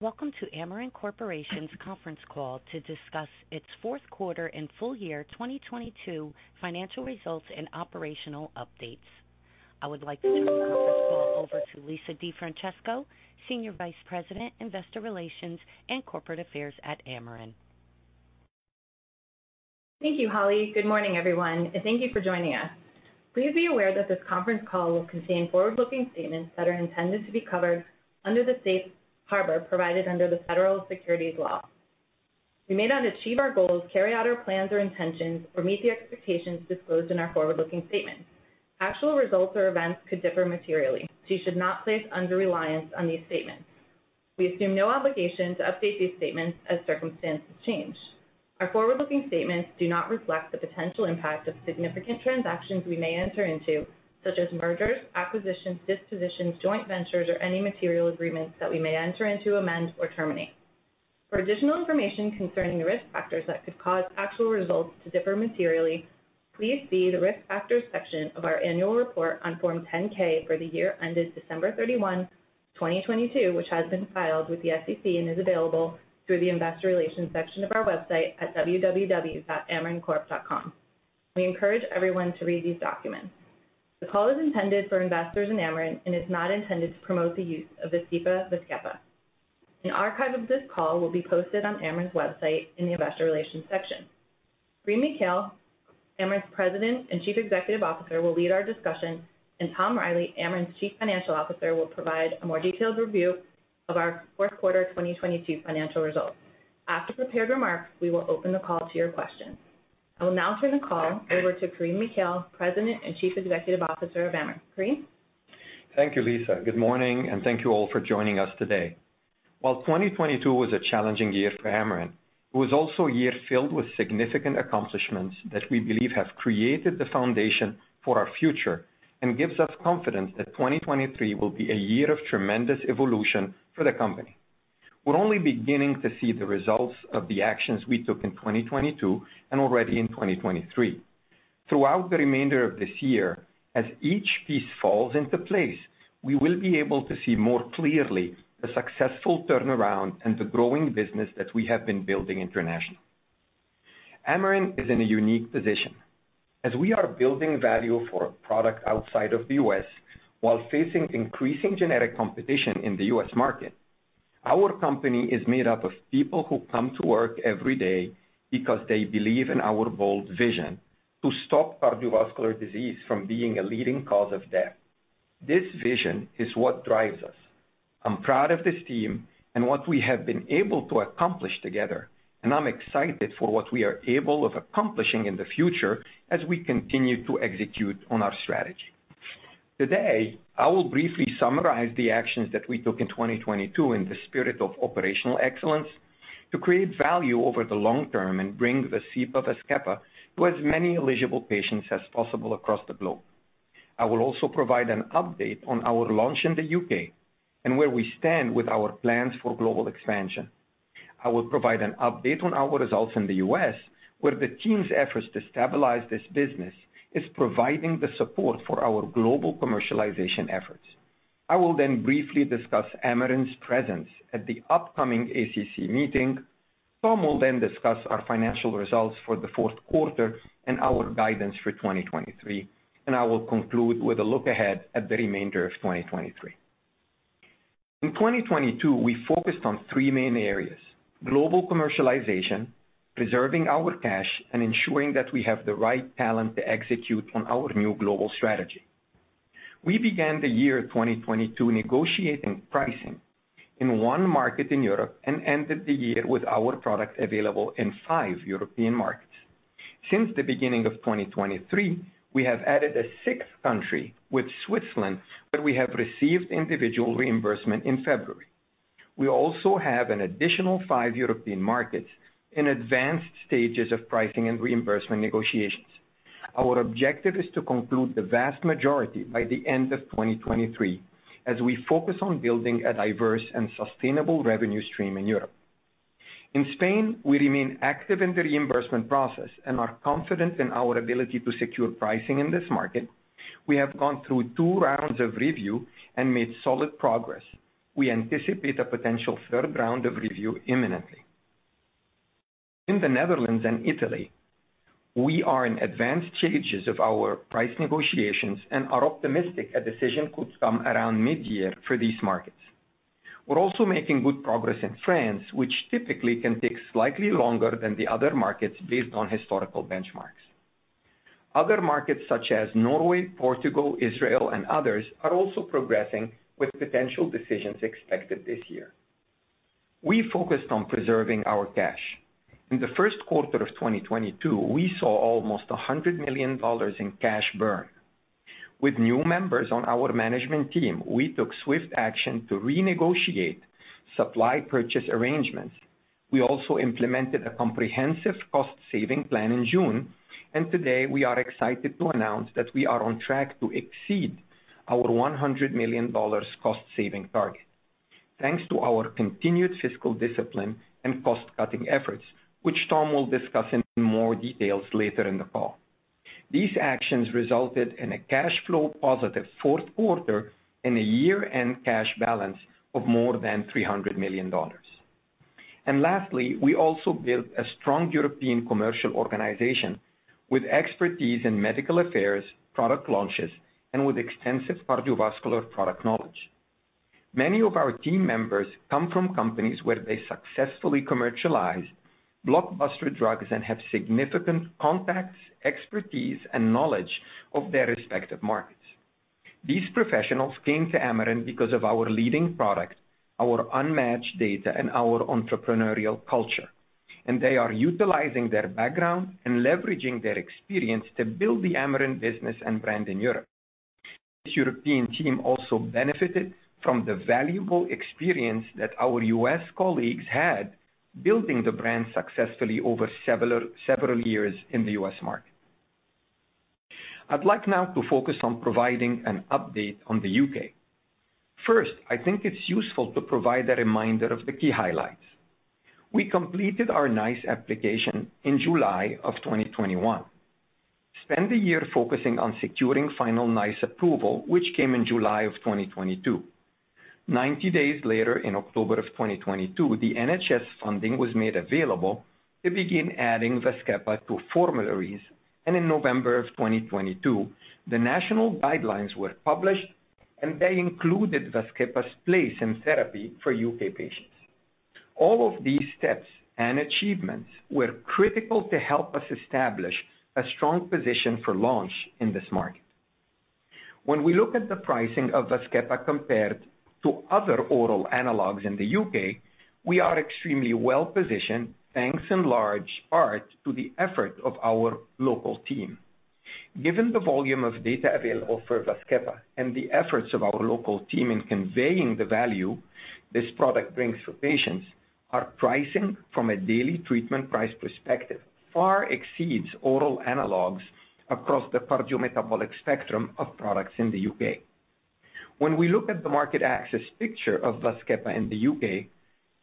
Welcome to Amarin Corporation's conference call to discuss its fourth quarter and full year 2022 financial results and operational updates. I would like to turn the conference call over to Lisa DeFrancesco, Senior Vice President, Investor Relations and Corporate Affairs at Amarin. Thank you, Holly. Good morning, everyone, and thank you for joining us. Please be aware that this conference call will contain forward-looking statements that are intended to be covered under the safe harbor provided under the Federal Securities law. We may not achieve our goals, carry out our plans or intentions, or meet the expectations disclosed in our forward-looking statements. Actual results or events could differ materially, so you should not place undue reliance on these statements. We assume no obligation to update these statements as circumstances change. Our forward-looking statements do not reflect the potential impact of significant transactions we may enter into, such as mergers, acquisitions, dispositions, joint ventures, or any material agreements that we may enter into, amend, or terminate. For additional information concerning the risk factors that could cause actual results to differ materially, please see the Risk Factors section of our Annual Report on Form 10-K for the year ended December 31, 2022, which has been filed with the SEC and is available through the Investor Relations section of our website at www.amarincorp.com. We encourage everyone to read these documents. The call is intended for investors in Amarin and is not intended to promote the use of Vascepa. An archive of this call will be posted on Amarin's website in the Investor Relations section. Karim Mikhail, Amarin's President and Chief Executive Officer, will lead our discussion, and Tom Reilly, Amarin's Chief Financial Officer, will provide a more detailed review of our fourth quarter 2022 financial results. After prepared remarks, we will open the call to your questions. I will now turn the call over to Karim Mikhail, President and Chief Executive Officer of Amarin. Karim. Thank you, Lisa. Good morning. Thank you all for joining us today. While 2022 was a challenging year for Amarin, it was also a year filled with significant accomplishments that we believe have created the foundation for our future and gives us confidence that 2023 will be a year of tremendous evolution for the company. We're only beginning to see the results of the actions we took in 2022 and already in 2023. Throughout the remainder of this year, as each piece falls into place, we will be able to see more clearly the successful turnaround and the growing business that we have been building internationally. Amarin is in a unique position as we are building value for a product outside of the U.S. while facing increasing generic competition in the U.S. market. Our company is made up of people who come to work every day because they believe in our bold vision to stop cardiovascular disease from being a leading cause of death. This vision is what drives us. I'm proud of this team and what we have been able to accomplish together, and I'm excited for what we are able of accomplishing in the future as we continue to execute on our strategy. Today, I will briefly summarize the actions that we took in 2022 in the spirit of operational excellence to create value over the long term and bring Vascepa to as many eligible patients as possible across the globe. I will also provide an update on our launch in the U.K. and where we stand with our plans for global expansion. I will provide an update on our results in the U.S., where the team's efforts to stabilize this business is providing the support for our global commercialization efforts. I will briefly discuss Amarin's presence at the upcoming ACC meeting. Tom will then discuss our financial results for the fourth quarter and our guidance for 2023, and I will conclude with a look ahead at the remainder of 2023. In 2022, we focused on three main areas: global commercialization, preserving our cash, and ensuring that we have the right talent to execute on our new global strategy. We began the year 2022 negotiating pricing in one market in Europe and ended the year with our product available in European markets. Since the beginning of 2023, we have added a 6th country with Switzerland, where we have received individual reimbursement in February. We also have an additional five European markets in advanced stages of pricing and reimbursement negotiations. Our objective is to conclude the vast majority by the end of 2023 as we focus on building a diverse and sustainable revenue stream in Europe. In Spain, we remain active in the reimbursement process and are confident in our ability to secure pricing in this market. We have gone through two rounds of review and made solid progress. We anticipate a potential third round of review imminently. In the Netherlands and Italy, we are in advanced stages of our price negotiations and are optimistic a decision could come around mid-year for these markets. We're also making good progress in France, which typically can take slightly longer than the other markets based on historical benchmarks. Other markets such as Norway, Portugal, Israel, and others are also progressing with potential decisions expected this year. We focused on preserving our cash. In the first quarter of 2022, we saw almost $100 million in cash burn. With new members on our management team, we took swift action to renegotiate supply purchase arrangements. We also implemented a comprehensive cost-saving plan in June, today we are excited to announce that we are on track to exceed our $100 million cost-saving target, thanks to our continued fiscal discipline and cost-cutting efforts, which Tom will discuss in more details later in the call. These actions resulted in a cash flow positive fourth quarter and a year-end cash balance of more than $300 million. Lastly, we also built a strong European commercial organization with expertise in medical affairs, product launches and with extensive cardiovascular product knowledge. Many of our team members come from companies where they successfully commercialize blockbuster drugs and have significant contacts, expertise, and knowledge of their respective markets. These professionals came to Amarin because of our leading product, our unmatched data, and our entrepreneurial culture. They are utilizing their background and leveraging their experience to build the Amarin business and brand in Europe. This European team also benefited from the valuable experience that our U.S. colleagues had building the brand successfully over several years in the U.S. market. I'd like now to focus on providing an update on the U.K. First, I think it's useful to provide a reminder of the key highlights. We completed our NICE application in July of 2021. Spent a year focusing on securing final NICE approval, which came in July of 2022. 90 days later, in October of 2022, the NHS funding was made available to begin adding Vascepa to formularies. In November of 2022, the national guidelines were published, and they included Vascepa's place in therapy for U.K. patients. All of these steps and achievements were critical to help us establish a strong position for launch in this market. When we look at the pricing of Vascepa compared to other oral analogs in the U.K., we are extremely well-positioned, thanks in large part to the effort of our local team. Given the volume of data available for Vascepa and the efforts of our local team in conveying the value this product brings to patients, our pricing from a daily treatment price perspective far exceeds oral analogs across the cardiometabolic spectrum of products in the U.K. We look at the market access picture of Vascepa in the U.K.,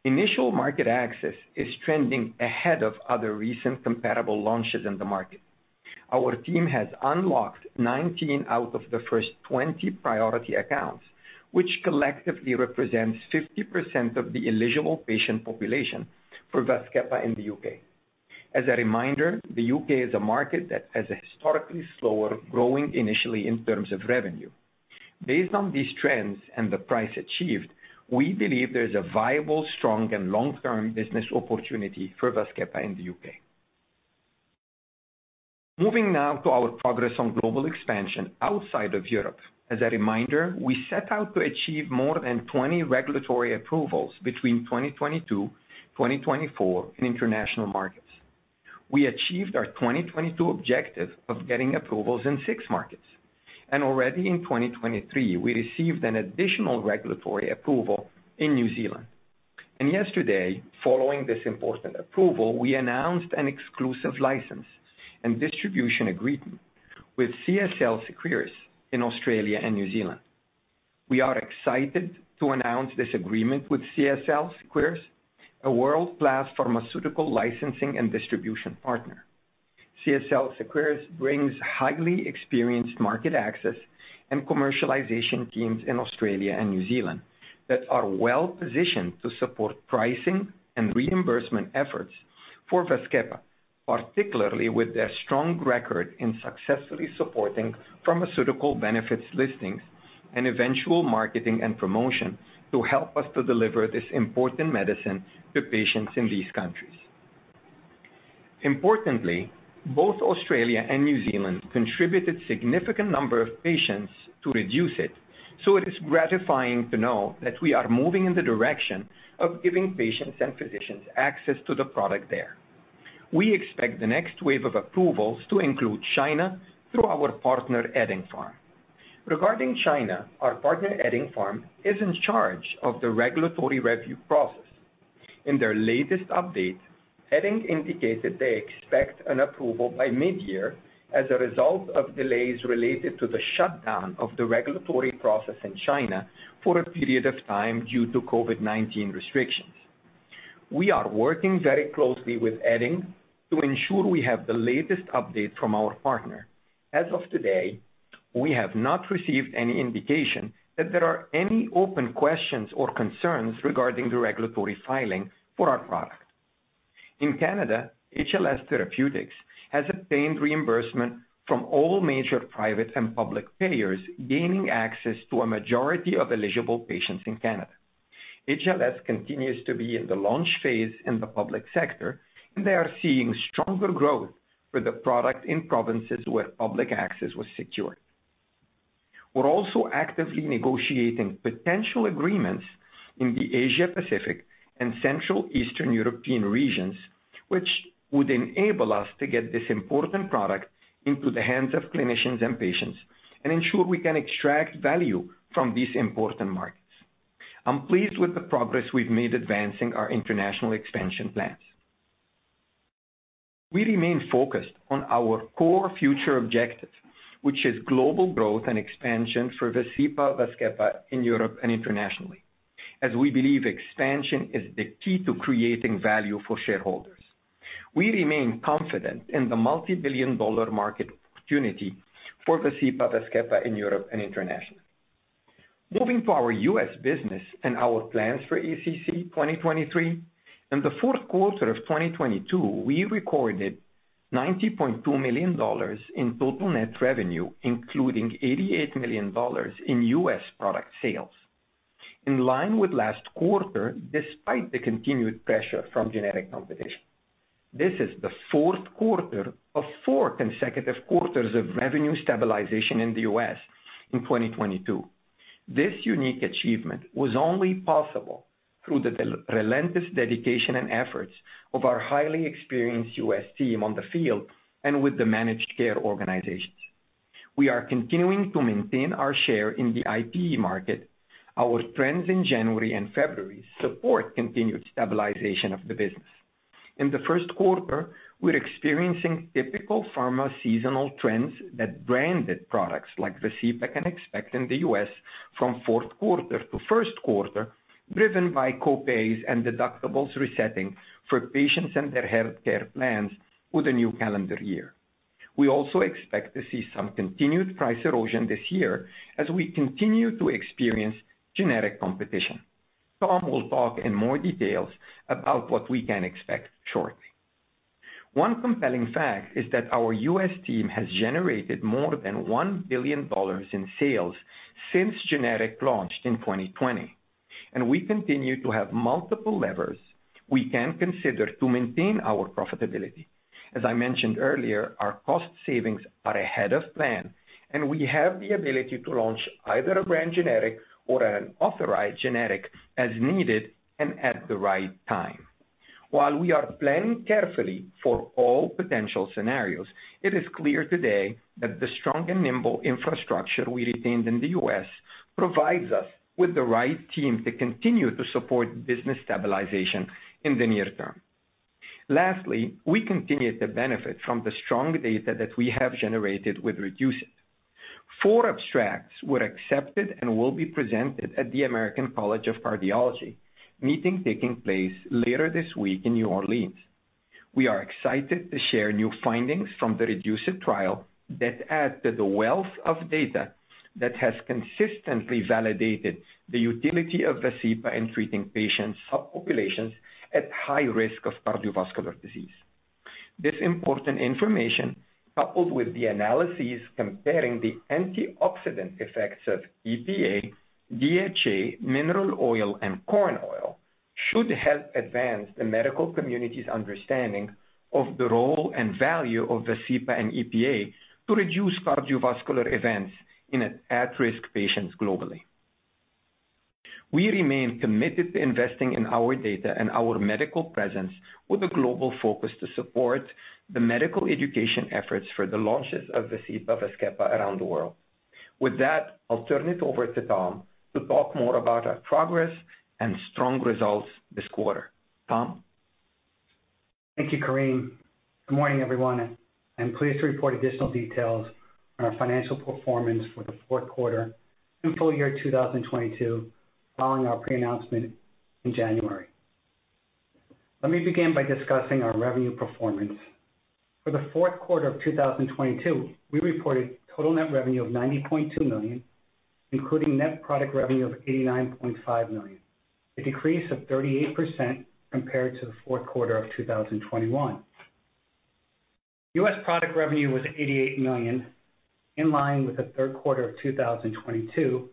initial market access is trending ahead of other recent comparable launches in the market. Our team has unlocked 19 out of the first 20 priority accounts, which collectively represents 50% of the eligible patient population for Vascepa in the U.K. As a reminder, the U.K. is a market that has historically slower growing initially in terms of revenue. Based on these trends and the price achieved, we believe there is a viable, strong, and long-term business opportunity for Vascepa in the U.K. Moving now to our progress on global expansion outside of Europe. As a reminder, we set out to achieve more than 20 regulatory approvals between 2022, 2024 in international markets. We achieved our 2022 objective of getting approvals in six markets. Already in 2023, we received an additional regulatory approval in New Zealand. Yesterday, following this important approval, we announced an exclusive license and distribution agreement with CSL Seqirus in Australia and New Zealand. We are excited to announce this agreement with CSL Seqirus, a world-class pharmaceutical licensing and distribution partner. CSL Seqirus brings highly experienced market access and commercialization teams in Australia and New Zealand that are well-positioned to support pricing and reimbursement efforts for Vascepa, particularly with their strong record in successfully supporting pharmaceutical benefits listings and eventual marketing and promotion to help us to deliver this important medicine to patients in these countries. Importantly, both Australia and New Zealand contributed significant number of patients to REDUCE-IT, so it is gratifying to know that we are moving in the direction of giving patients and physicians access to the product there. We expect the next wave of approvals to include China through our partner, Eddingpharm. Regarding China, our partner, Eddingpharm, is in charge of the regulatory review process. In their latest update, Edding indicated they expect an approval by mid-year as a result of delays related to the shutdown of the regulatory process in China for a period of time due to COVID-19 restrictions. We are working very closely with Edding to ensure we have the latest update from our partner. As of today, we have not received any indication that there are any open questions or concerns regarding the regulatory filing for our product. In Canada, HLS Therapeutics has obtained reimbursement from all major private and public payers gaining access to a majority of eligible patients in Canada. HLS continues to be in the launch phase in the public sector, they are seeing stronger growth for the product in provinces where public access was secured. We're also actively negotiating potential agreements in the Asia-Pacific and Central Eastern European regions, which would enable us to get this important product into the hands of clinicians and patients and ensure we can extract value from these important markets. I'm pleased with the progress we've made advancing our international expansion plans. We remain focused on our core future objective, which is global growth and expansion for Vascepa in Europe and internationally. As we believe expansion is the key to creating value for shareholders. We remain confident in the multi-billion dollar market opportunity for Vascepa in Europe and internationally. Moving to our U.S. business and our plans for ACC 2023. In the fourth quarter of 2022, we recorded $90.2 million in total net revenue, including $88 million in U.S. product sales. In line with last quarter, despite the continued pressure from generic competition. This is the fourth quarter of four consecutive quarters of revenue stabilization in the U.S. in 2022. This unique achievement was only possible through the relentless dedication and efforts of our highly experienced U.S. team on the field and with the managed care organizations. We are continuing to maintain our share in the IP market. Our trends in January and February support continued stabilization of the business. In the first quarter, we're experiencing typical pharma seasonal trends that branded products like Vascepa can expect in the U.S. from fourth quarter to first quarter, driven by co-pays and deductibles resetting for patients and their healthcare plans with a new calendar year. We also expect to see some continued price erosion this year as we continue to experience generic competition. Tom will talk in more details about what we can expect shortly. One compelling fact is that our U.S. team has generated more than $1 billion in sales since generic launched in 2020. We continue to have multiple levers we can consider to maintain our profitability. As I mentioned earlier, our cost savings are ahead of plan, and we have the ability to launch either a branded generic or an authorized generic as needed and at the right time. While we are planning carefully for all potential scenarios, it is clear today that the strong and nimble infrastructure we retained in the U.S. provides us with the right team to continue to support business stabilization in the near term. We continue to benefit from the strong data that we have generated with REDUCE-IT. Four abstracts were accepted and will be presented at the American College of Cardiology meeting taking place later this week in New Orleans. We are excited to share new findings from the REDUCE-IT trial that add to the wealth of data that has consistently validated the utility of Vascepa in treating patients, subpopulations at high risk of cardiovascular disease. This important information, coupled with the analyses comparing the antioxidant effects of EPA, DHA, mineral oil, and corn oil, should help advance the medical community's understanding of the role and value of Vascepa and EPA to reduce cardiovascular events in at-risk patients globally. We remain committed to investing in our data and our medical presence with a global focus to support the medical education efforts for the launches of Vascepa around the world. With that, I'll turn it over to Tom to talk more about our progress and strong results this quarter. Tom? Thank you, Karim. Good morning, everyone. I'm pleased to report additional details on our financial performance for the fourth quarter and full year 2022 following our pre-announcement in January. Let me begin by discussing our revenue performance. For the fourth quarter of 2022, we reported total net revenue of $90.2 million, including net product revenue of $89.5 million, a decrease of 38% compared to the fourth quarter of 2021. U.S. product revenue was $88 million, in line with the third quarter of 2022,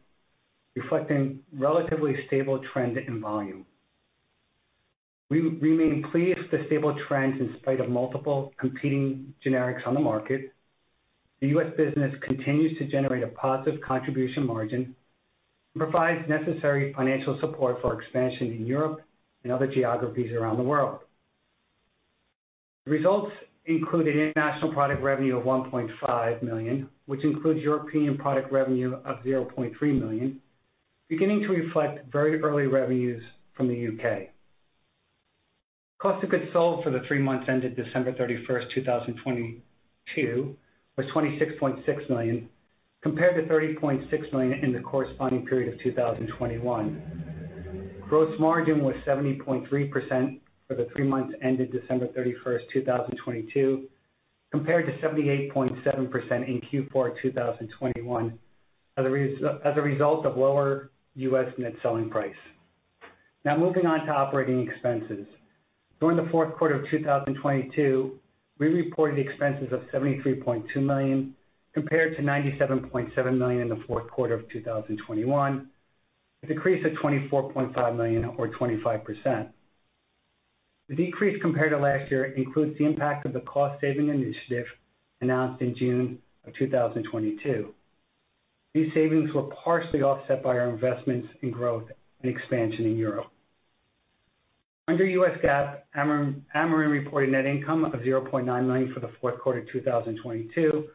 reflecting relatively stable trend in volume. We remain pleased with the stable trends in spite of multiple competing generics on the market. The U.S. business continues to generate a positive contribution margin and provides necessary financial support for expansion in Europe and other geographies around the world. The results included international product revenue of $1.5 million, which includes European product revenue of $0.3 million, beginning to reflect very early revenues from the U.K. COGS for the three months ended December 31st, 2022 was $26.6 million, compared to $30.6 million in the corresponding period of 2021. Gross margin was 70.3% for the three months ended December 31st, 2022, compared to 78.7% in Q4 2021 as a result of lower U.S. net selling price. Now moving on to operating expenses. During the fourth quarter of 2022, we reported expenses of $73.2 million, compared to $97.7 million in the fourth quarter of 2021, a decrease of $24.5 million or 25%. The decrease compared to last year includes the impact of the cost-saving initiative announced in June 2022. These savings were partially offset by our investments in growth and expansion in Europe. Under U.S. GAAP, Amarin reported net income of $0.9 million for the fourth quarter 2022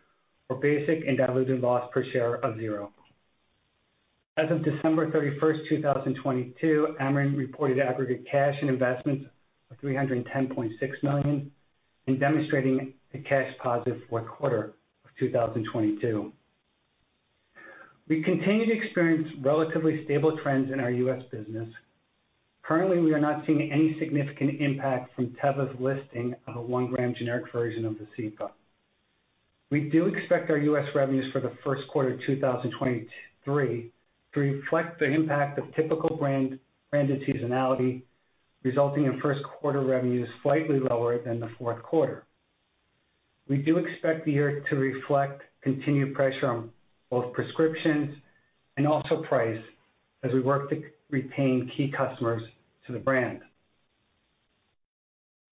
for basic and diluted loss per share of $0. As of December 31st, 2022, Amarin reported aggregate cash and investments of $310.6 million, and demonstrating a cash positive fourth quarter of 2022. We continue to experience relatively stable trends in our U.S. business. Currently, we are not seeing any significant impact from Teva's listing of a 1g generic version of Vascepa. We do expect our U.S. revenues for the first quarter 2023 to reflect the impact of typical brand, branded seasonality, resulting in first quarter revenues slightly lower than the fourth quarter. We do expect the year to reflect continued pressure on both prescriptions and also price as we work to retain key customers to the brand.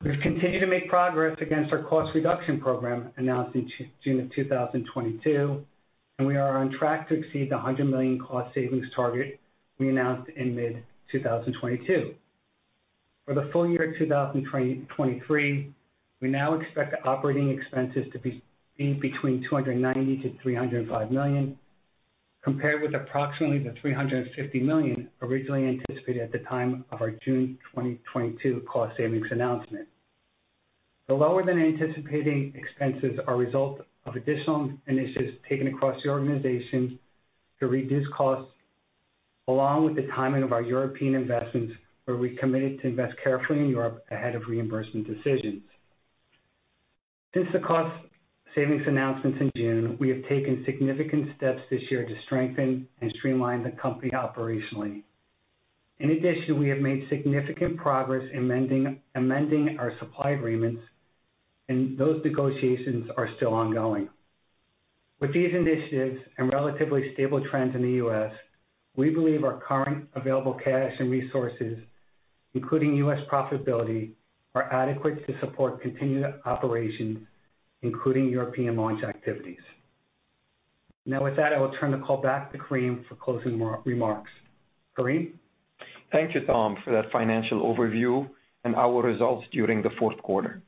We've continued to make progress against our cost reduction program announced in June 2022, and we are on track to exceed the $100 million cost savings target we announced in mid-2022. For the full year 2023, we now expect operating expenses to be between $290 million-$305 million, compared with approximately the $350 million originally anticipated at the time of our June 2022 cost savings announcement. The lower than anticipating expenses are a result of additional initiatives taken across the organization to reduce costs, along with the timing of our European investments, where we committed to invest carefully in Europe ahead of reimbursement decisions. Since the cost savings announcements in June, we have taken significant steps this year to strengthen and streamline the company operationally. We have made significant progress amending our supply agreements, and those negotiations are still ongoing. With these initiatives and relatively stable trends in the U.S., we believe our current available cash and resources, including U.S. profitability, are adequate to support continued operations, including European launch activities. With that, I will turn the call back to Karim for closing remarks. Karim? Thank you, Tom, for that financial overview and our results during the fourth quarter.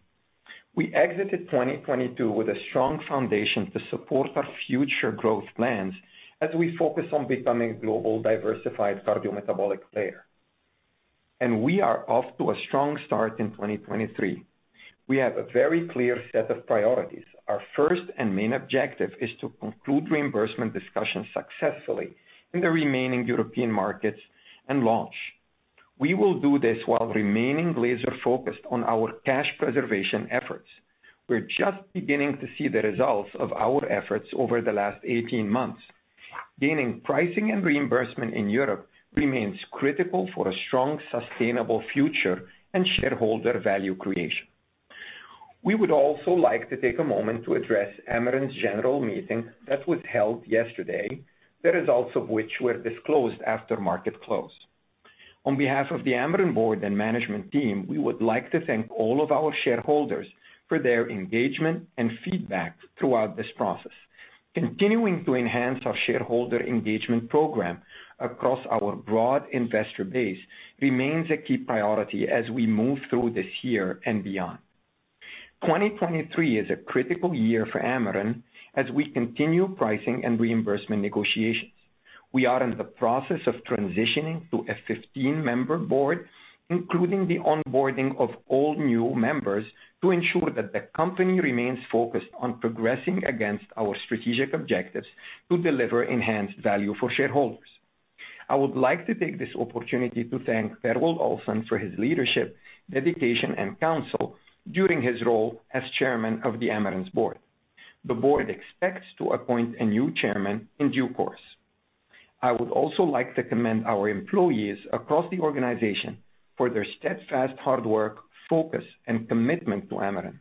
We exited 2022 with a strong foundation to support our future growth plans as we focus on becoming a global diversified cardiometabolic player. We are off to a strong start in 2023. We have a very clear set of priorities. Our first and main objective is to conclude reimbursement discussions successfully in the remaining European markets and launch. We will do this while remaining laser-focused on our cash preservation efforts. We're just beginning to see the results of our efforts over the last 18 months. Gaining pricing and reimbursement in Europe remains critical for a strong, sustainable future and shareholder value creation. We would also like to take a moment to address Amarin's general meeting that was held yesterday, the results of which were disclosed after market close. On behalf of the Amarin Board and management team, we would like to thank all of our shareholders for their engagement and feedback throughout this process. Continuing to enhance our shareholder engagement program across our broad investor base remains a key priority as we move through this year and beyond. 2023 is a critical year for Amarin as we continue pricing and reimbursement negotiations. We are in the process of transitioning to a 15-member Board, including the onboarding of all new members, to ensure that the company remains focused on progressing against our strategic objectives to deliver enhanced value for shareholders. I would like to take this opportunity to thank Per Wold-Olsen for his leadership, dedication, and counsel during his role as Chairman of the Amarin's Board. The Board expects to appoint a new Chairman in due course. I would also like to commend our employees across the organization for their steadfast hard work, focus, and commitment to Amarin.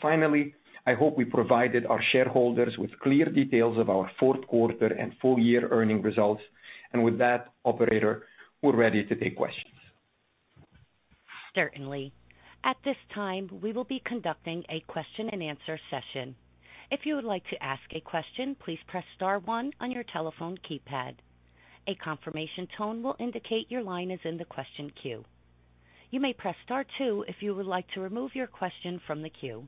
Finally, I hope we provided our shareholders with clear details of our fourth quarter and full-year earnings results. With that, operator, we're ready to take questions. Certainly. At this time, we will be conducting a question-and-answer session. If you would like to ask a question, please press star one on your telephone keypad. A confirmation tone will indicate your line is in the question queue. You may press star two if you would like to remove your question from the queue.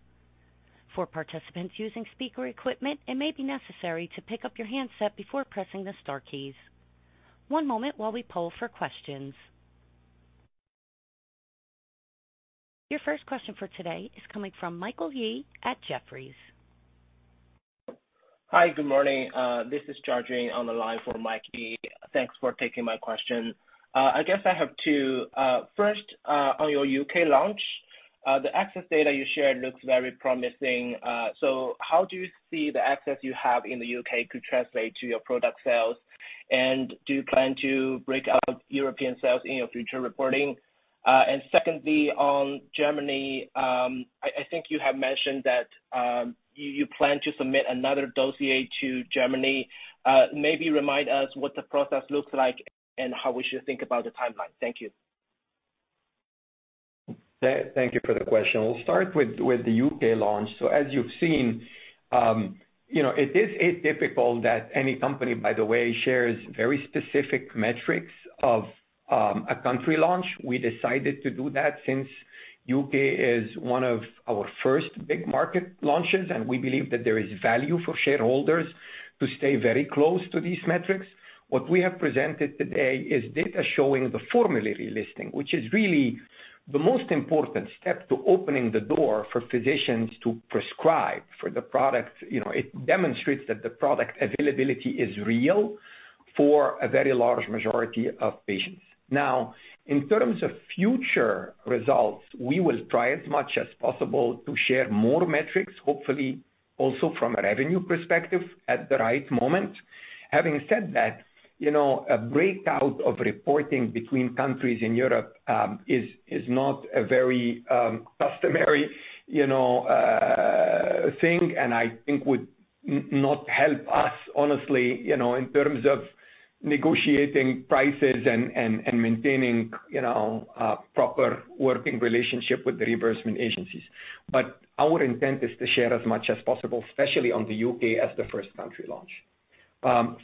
For participants using speaker equipment, it may be necessary to pick up your handset before pressing the star keys. One moment while we poll for questions. Your first question for today is coming from Michael Yee at Jefferies. Hi, good morning. This is George Yi on the line for Mike Yee. Thanks for taking my question. I guess I have two. First, on your U.K. launch, the access data you shared looks very promising. How do you see the access you have in the U.K. could translate to your product sales? Do you plan to break out European sales in your future reporting? Secondly, on Germany, I think you have mentioned that you plan to submit another dossier to Germany. Maybe remind us what the process looks like and how we should think about the timeline. Thank you. Thank you for the question. We'll start with the U.K. launch. As you've seen, you know, it is atypical that any company, by the way, shares very specific metrics of a country launch. We decided to do that since U.K. is one of our first big market launches, and we believe that there is value for shareholders to stay very close to these metrics. What we have presented today is data showing the formulary listing, which is really the most important step to opening the door for physicians to prescribe for the product. You know, it demonstrates that the product availability is real for a very large majority of patients. In terms of future results, we will try as much as possible to share more metrics, hopefully also from a revenue perspective at the right moment. Having said that, you know, a breakout of reporting between countries in Europe, is not a very customary, you know, thing, and I think would not help us honestly, you know, in terms of negotiating prices and maintaining, you know, proper working relationship with the reimbursement agencies. Our intent is to share as much as possible, especially on the U.K. as the first country launch.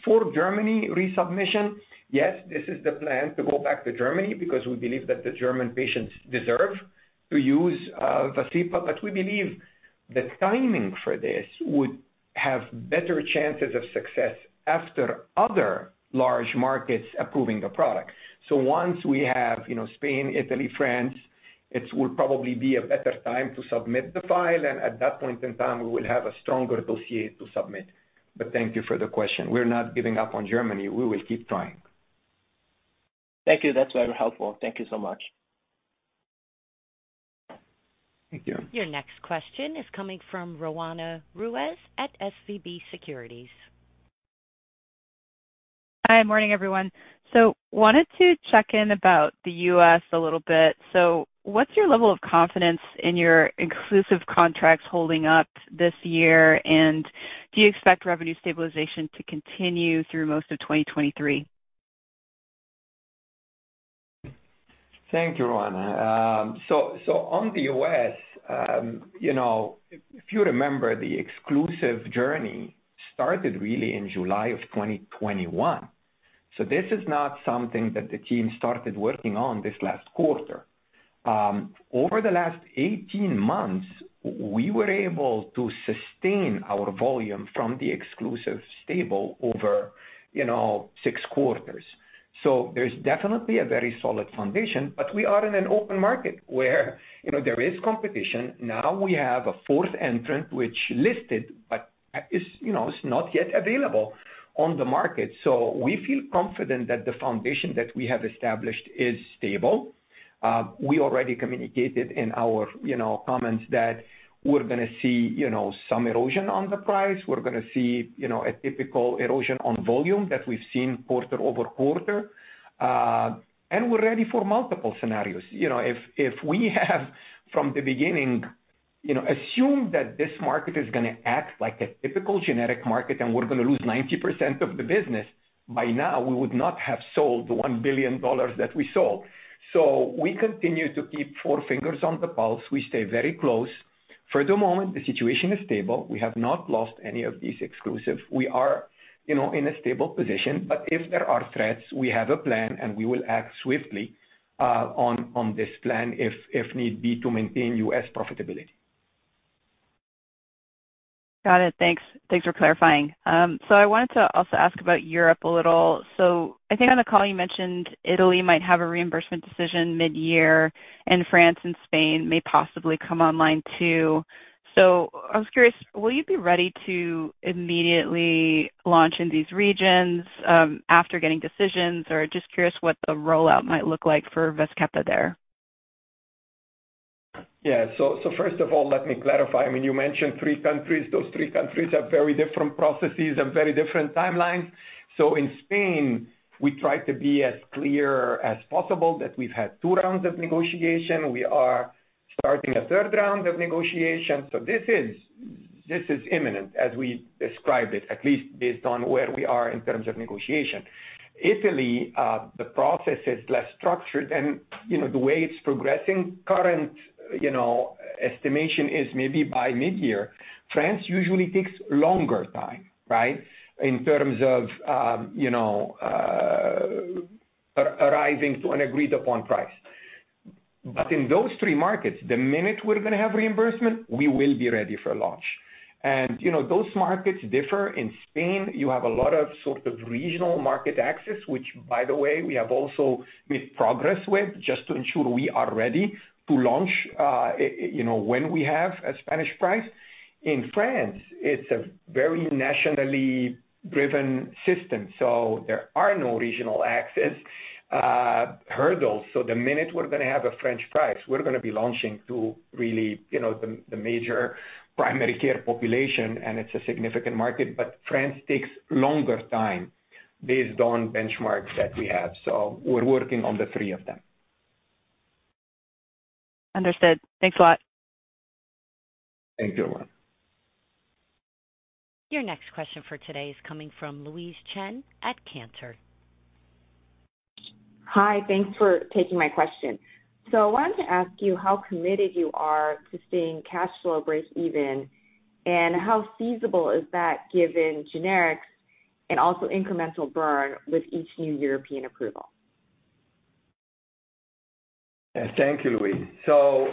For Germany resubmission, yes, this is the plan to go back to Germany because we believe that the German patients deserve to use Vascepa. We believe the timing for this would have better chances of success after other large markets approving the product. Once we have, you know, Spain, Italy, France, it will probably be a better time to submit the file, and at that point in time, we will have a stronger dossier to submit. Thank you for the question. We're not giving up on Germany. We will keep trying. Thank you. That's very helpful. Thank you so much. Thank you. Your next question is coming from Roanna Ruiz at SVB Securities. Hi, morning, everyone. Wanted to check in about the U.S. a little bit. What's your level of confidence in your inclusive contracts holding up this year, and do you expect revenue stabilization to continue through most of 2023? Thank you, Roanna Ruiz. So on the U.S., you know, if you remember, the exclusive journey started really in July of 2021. This is not something that the team started working on this last quarter. Over the last 18 months, we were able to sustain our volume from the exclusive stable over, you know, six quarters. There's definitely a very solid foundation, but we are in an open market where, you know, there is competition. Now we have a fourth entrant which listed but is, you know, is not yet available on the market. We feel confident that the foundation that we have established is stable. We already communicated in our, you know, comments that we're gonna see, you know, some erosion on the price. We're gonna see, you know, a typical erosion on volume that we've seen quarter-over-quarter. We're ready for multiple scenarios. You know, if we have from the beginning, you know, assumed that this market is gonna act like a typical generic market and we're gonna lose 90% of the business by now, we would not have sold the $1 billion that we sold. We continue to keep four fingers on the pulse. We stay very close. For the moment, the situation is stable. We have not lost any of these exclusive. We are, you know, in a stable position. If there are threats, we have a plan, and we will act swiftly on this plan if need be, to maintain U.S. profitability. Got it. Thanks. Thanks for clarifying. I wanted to also ask about Europe a little. I think on the call you mentioned Italy might have a reimbursement decision mid-year, and France and Spain may possibly come online too. I was curious, will you be ready to immediately launch in these regions after getting decisions? Or just curious what the rollout might look like for Vazkepa there. First of all, let me clarify. I mean, you mentioned three countries. Those three countries have very different processes and very different timelines. In Spain, we try to be as clear as possible that we've had two rounds of negotiation. We are starting a third round of negotiations. This is imminent as we described it, at least based on where we are in terms of negotiation. Italy, the process is less structured and, you know, the way it's progressing, current, you know, estimation is maybe by mid-year. France usually takes longer time, right? In terms of, you know, arriving to an agreed upon price. In those three markets, the minute we're gonna have reimbursement, we will be ready for launch. You know, those markets differ. In Spain, you have a lot of sort of regional market access, which, by the way, we have also made progress with just to ensure we are ready to launch, you know, when we have a Spanish price. In France, it's a very nationally driven system, so there are no regional access hurdles. The minute we're gonna have a French price, we're gonna be launching to really, you know, the major primary care population, and it's a significant market, but France takes longer time based on benchmarks that we have. We're working on the three of them. Understood. Thanks a lot. Thank you. Your next question for today is coming from Louise Chen at Cantor. Hi. Thanks for taking my question. I wanted to ask you how committed you are to seeing cash flow break even, and how feasible is that given generics and also incremental burn with each new European approval? Thank you, Louise. You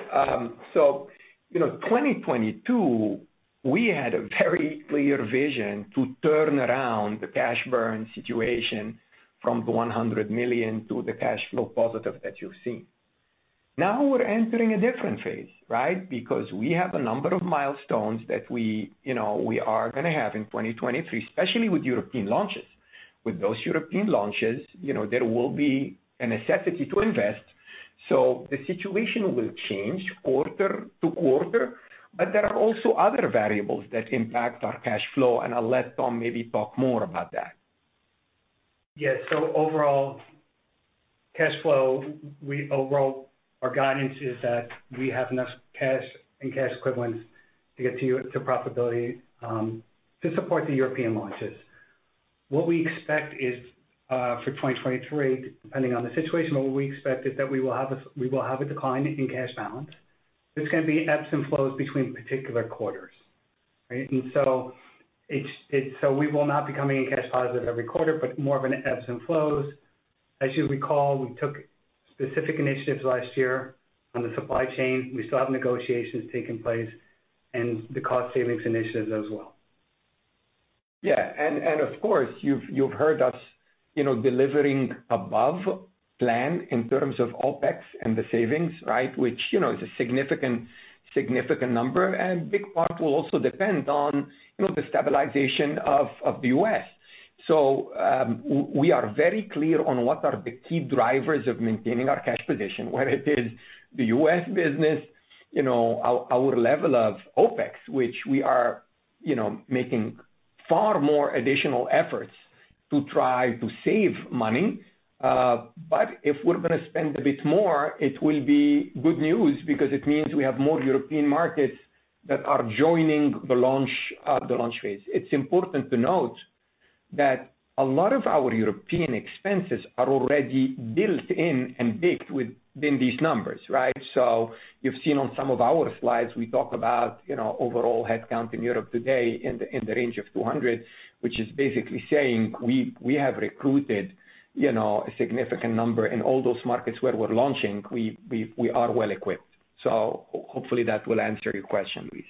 know, 2022, we had a very clear vision to turn around the cash burn situation from the $100 million to the cash flow positive that you've seen. Now we're entering a different phase, right? Because we have a number of milestones that we, you know, we are gonna have in 2023, especially with European launches. With those European launches, you know, there will be a necessity to invest. The situation will change quarter to quarter. There are also other variables that impact our cash flow, and I'll let Tom maybe talk more about that. Yes. Overall cash flow, we overall, our guidance is that we have enough cash and cash equivalents to get to profitability to support the European launches. What we expect is for 2023, depending on the situation, but what we expect is that we will have a decline in cash balance. This is gonna be ebbs and flows between particular quarters, right? We will not be coming in cash positive every quarter, but more of an ebbs and flows. As you recall, we took specific initiatives last year on the supply chain. We still have negotiations taking place and the cost savings initiatives as well. Yeah. Of course, you've heard us, you know, delivering above plan in terms of OpEx and the savings, right? Which, you know, is a significant number. Big part will also depend on, you know, the stabilization of the U.S. We are very clear on what are the key drivers of maintaining our cash position, whether it is the U.S. business, you know, our level of OpEx, which we are, you know, making far more additional efforts to try to save money. If we're gonna spend a bit more, it will be good news because it means we have more European markets that are joining the launch phase. It's important to note that a lot of our European expenses are already built in and baked within these numbers, right? You've seen on some of our slides, we talk about, you know, overall headcount in Europe today in the range of 200, which is basically saying we have recruited, you know, a significant number in all those markets where we're launching, we are well equipped. Hopefully that will answer your question, please.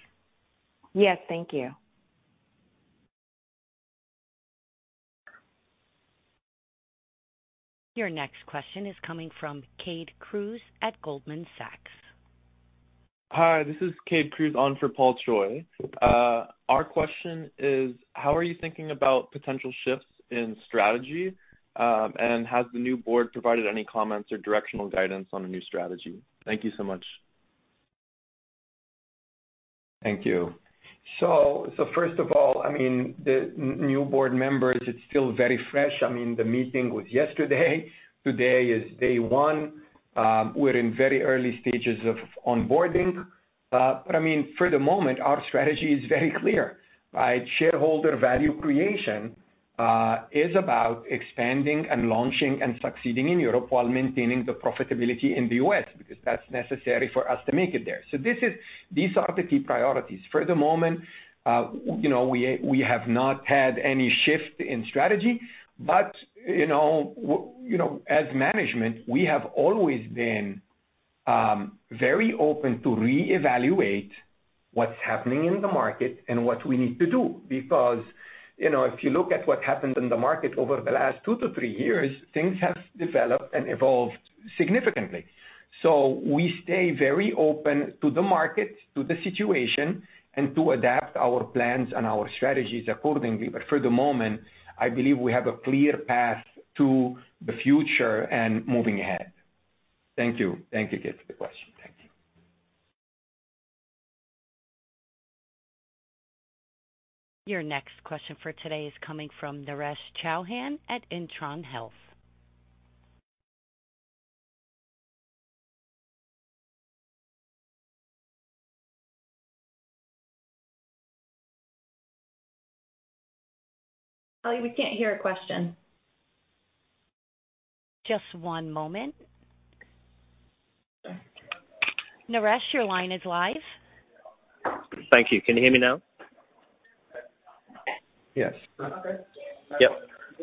Yes. Thank you. Your next question is coming from Cade Kruse at Goldman Sachs. Hi, this is Cade Kruse on for Paul Choi. Our question is, how are you thinking about potential shifts in strategy, and has the new board provided any comments or directional guidance on a new strategy? Thank you so much. Thank you. First of all, I mean, the new board members, it's still very fresh. I mean, the meeting was yesterday. Today is day one. We're in very early stages of onboarding. I mean, for the moment, our strategy is very clear, right? Shareholder value creation is about expanding and launching and succeeding in Europe while maintaining the profitability in the U.S., because that's necessary for us to make it there. These are the key priorities. For the moment, you know, we have not had any shift in strategy. You know, as management, we have always been very open to reevaluate what's happening in the market and what we need to do. You know, if you look at what happened in the market over the last two to three years, things have developed and evolved significantly. We stay very open to the market, to the situation, and to adapt our plans and our strategies accordingly. For the moment, I believe we have a clear path to the future and moving ahead. Thank you. Thank you, Cade, for the question. Thank you. Your next question for today is coming from Naresh Chouhan at Intron Health. We can't hear a question. Just one moment. Naresh, your line is live. Thank you. Can you hear me now? Yes. Yeah.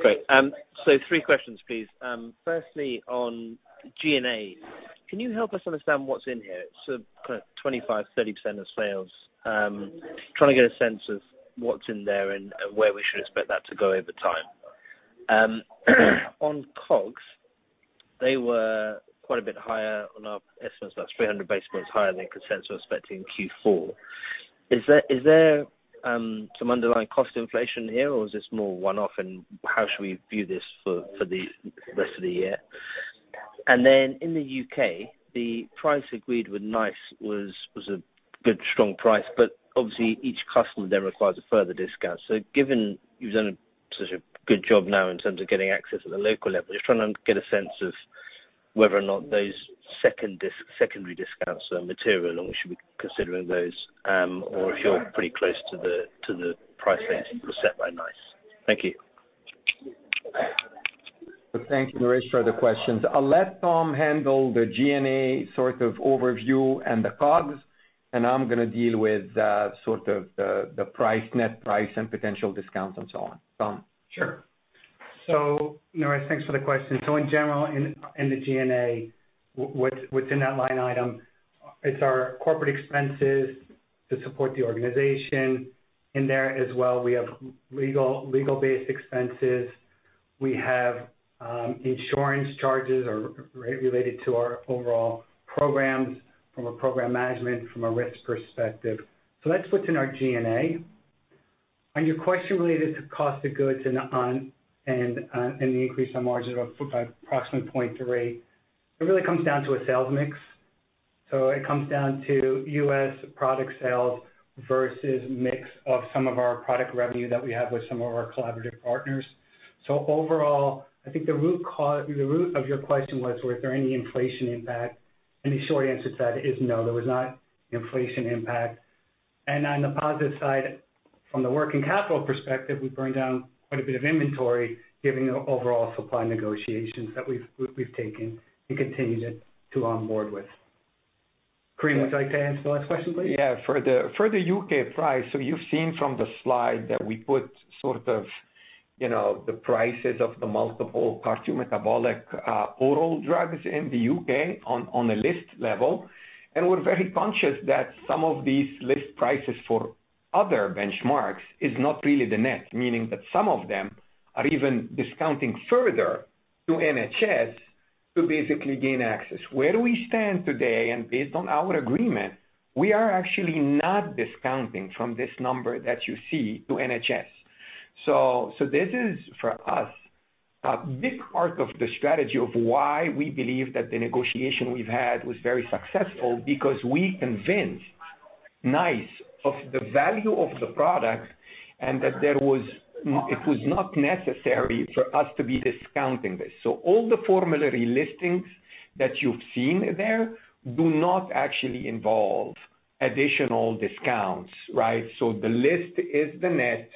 Great. Three questions, please. Firstly, on G&A, can you help us understand what's in here? Kind of 25%, 30% of sales. Trying to get a sense of what's in there and where we should expect that to go over time. On COGS, they were quite a bit higher on our estimates. That's 300 basis points higher than consensus expecting in Q4. Is there some underlying cost inflation here, or is this more one-off, and how should we view this for the rest of the year? In the U.K., the price agreed with NICE was a good strong price, but obviously each customer then requires a further discount. Given you've done such a good job now in terms of getting access at the local level, just trying to get a sense of whether or not those secondary discounts are material and we should be considering those, or if you're pretty close to the, to the price range set by NICE. Thank you. Thank you, Naresh, for the questions. I'll let Tom handle the G&A sort of overview and the COGS. I'm gonna deal with sort of the price, net price and potential discounts and so on. Tom. Sure. Naresh, thanks for the question. In general, in the G&A, what's in that line item, it's our corporate expenses to support the organization. In there as well, we have legal-based expenses. We have insurance charges or related to our overall programs from a program management, from a risk perspective. That's what's in our G&A. On your question related to cost of goods and the increase on margin of approximately 0.3, it really comes down to a sales mix. It comes down to U.S. product sales versus mix of some of our product revenue that we have with some of our collaborative partners. Overall, I think the root of your question was, were there any inflation impact? The short answer to that is no, there was not inflation impact. On the positive side, from the working capital perspective, we burned down quite a bit of inventory given the overall supply negotiations that we've taken and continue to onboard with. Karim, would you like to answer the last question, please? Yeah. For the U.K. price, you've seen from the slide that we put sort of, you know, the prices of the multiple cardiometabolic oral drugs in the U.K. on a list level. We're very conscious that some of these list prices for other benchmarks is not really the net, meaning that some of them are even discounting further to NHS to basically gain access. Where we stand today, and based on our agreement, we are actually not discounting from this number that you see to NHS. This is, for us, a big part of the strategy of why we believe that the negotiation we've had was very successful because we convinced NICE of the value of the product and that it was not necessary for us to be discounting this. All the formulary listings that you've seen there do not actually involve additional discounts, right? The list is the net,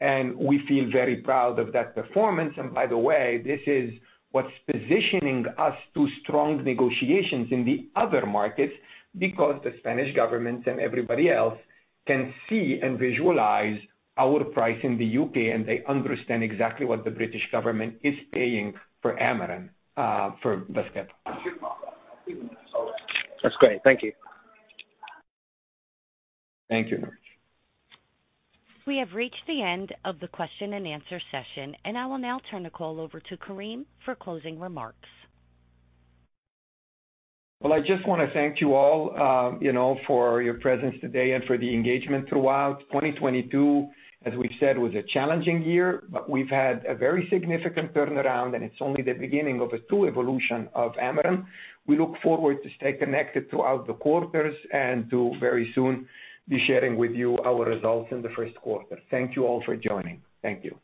and we feel very proud of that performance. By the way, this is what's positioning us to strong negotiations in the other markets because the Spanish government and everybody else can see and visualize our price in the U.K., and they understand exactly what the British government is paying for Amarin, for Vascepa. That's great. Thank you. Thank you. We have reached the end of the question-and-answer session, and I will now turn the call over to Karim for closing remarks. Well, I just wanna thank you all, you know, for your presence today and for the engagement throughout. 2022, as we've said, was a challenging year, but we've had a very significant turnaround, and it's only the beginning of a true evolution of Amarin. We look forward to stay connected throughout the quarters and to very soon be sharing with you our results in the first quarter. Thank you all for joining. Thank you.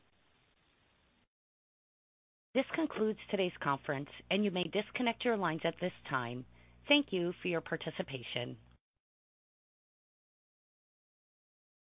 This concludes today's conference, and you may disconnect your lines at this time. Thank you for your participation.